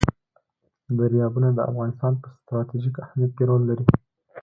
دریابونه د افغانستان په ستراتیژیک اهمیت کې رول لري.